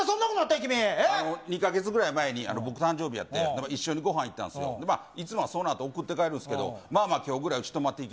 ２か月ぐらい前に、僕、誕生日やって、一緒にごはん行ったんですよ、いつもそのあと、送って帰るんですけど、まあまあ、きょうぐらいはうち泊まっていきって。